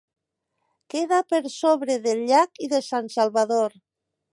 Queda per sobre del llac i de San Salvador.